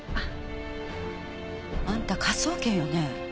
あんた科捜研よね。